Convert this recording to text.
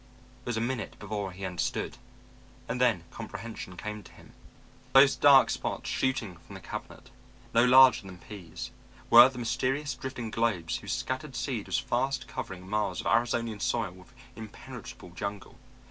It was a minute before he understood, and then comprehension came to him. Those dark spots shooting from the cabinet, no larger than peas, were the mysterious drifting globes whose scattered seed was fast covering miles of Arizonian soil with impenetrable jungle.